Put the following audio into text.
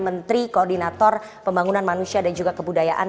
menteri koordinator pembangunan manusia dan juga kebudayaan